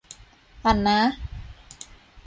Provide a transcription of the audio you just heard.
อ่ะนะ